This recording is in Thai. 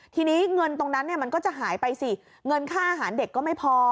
ทีนี้เงินตรงนั้นมันก็จะหายไปสิเงินค่าอาหารเด็กก็ไม่พอ